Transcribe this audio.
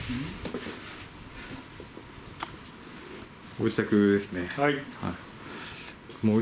ご自宅ですね。